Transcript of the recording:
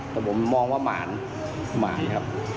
แต่ผมมองว่าหมานหมานครับ